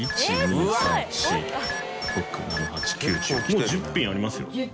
もう１０品ありますよ？